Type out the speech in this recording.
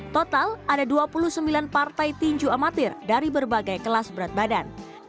total ada dua puluh sembilan partai tinju amatir dari berbagai kelas berat badan